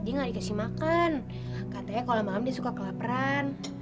dia nggak dikasih makan katanya kalau malam dia suka kelaparan